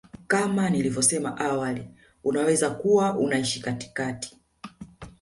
kama nilivyosema awali unaweza kuwa unaishi katikati